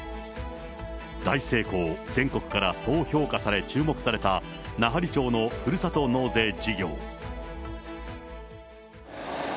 大成功、全国からそう評価され、注目された奈半利町のふるさと納税事業。